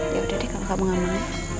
ya udah deh kalau gak mengamalkan